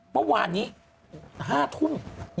เมื่อวานนี้๕ทุ่ม